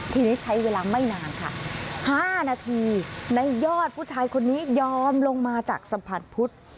ทีนี้ใช้เวลาไม่นานค่ะ๕นาทีในยอดผู้ชายคนนี้ยอมลงมาจากสะพานพุทธ